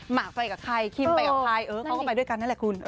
หมากไปกับใครคิมไปกับใครเออเขาก็ไปด้วยกันนั่นแหละคุณ